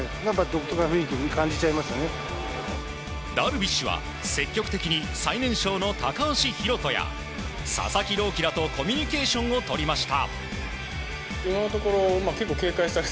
ダルビッシュは積極的に最年少の高橋宏斗や佐々木朗希らとコミュニケーションをとりました。